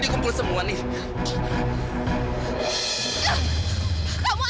dia sama kamu jahat